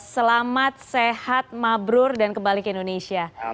selamat sehat mabrur dan kembali ke indonesia